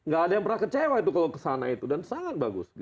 gak ada yang pernah kecewa itu kalau kesana itu dan sangat bagus